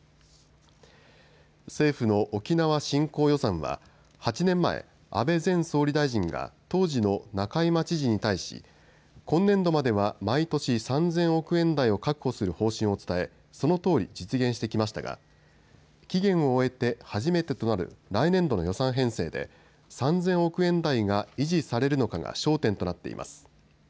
政府の沖縄振興予算は８年前、安倍前総理大臣が当時の仲井真知事に対し今年度までは毎年３０００億円台を確保する方針を伝えそのとおり実現してきましたが期限を終えて初めてとなる来年度の予算編成で３０００億円台が維持されるのかが焦点となっています。